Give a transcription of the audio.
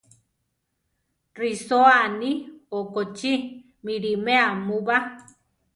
Risóa aní okochí! miʼlimea mu ba!